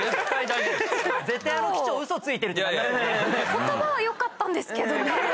言葉は良かったんですけどね。